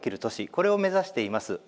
これを目指しています。